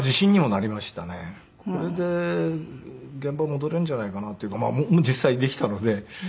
これで現場戻れるんじゃないかなっていうか実際できたので。